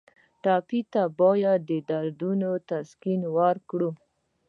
ټپي ته باید د دردونو تسکین ورکړو.